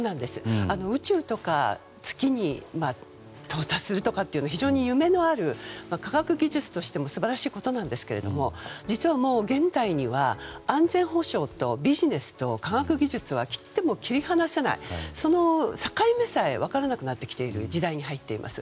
宇宙とか月に到達するというのは非常に夢のある科学技術としても素晴らしいことなんですけれども実はもう現代には安全保障とビジネスと科学技術は切っても切り離せないその境目さえ分からなくなってきている時代に入っています。